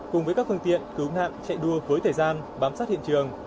cùng với các phương tiện cứu hộng hạng chạy đua với thời gian bám sát hiện trường